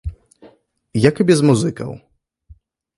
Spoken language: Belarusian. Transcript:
Як і без музыкаў.